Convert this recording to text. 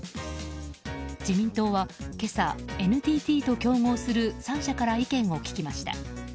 自民党は今朝、ＮＴＴと競合する３社から意見を聞きました。